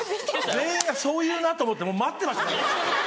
全員がそう言うなと思ってもう待ってましたから。